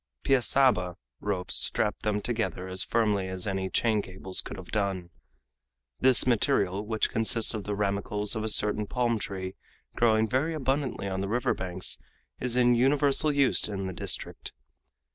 "Piaçaba" ropes strapped them together as firmly as any chain cables could have done. This material, which consists of the ramicles of a certain palm tree growing very abundantly on the river banks, is in universal use in the district.